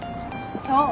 そう。